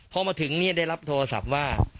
พอมาถึงเนี่ยได้รับโทรศัพท์ว่า